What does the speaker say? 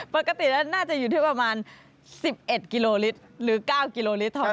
ปกติแล้วน่าจะอยู่ที่ประมาณ๑๑กิโลลิตรหรือ๙กิโลลิตรเท่านั้น